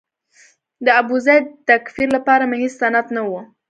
د ابوزید د تکفیر لپاره مې هېڅ سند نه و.